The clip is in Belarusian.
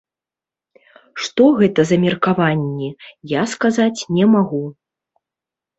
Што гэта за меркаванні, я сказаць не магу.